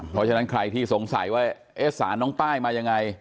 เพราะฉะนั้นใครที่สงสัยว่าเอ๊ะสารน้องป้ายมายังไง